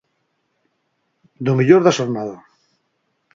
Do mellor da xornada.